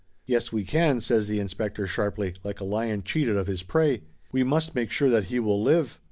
"Yes, we can," says the inspector sharply, like a lion cheated of his prey. "We must make sure that he will live.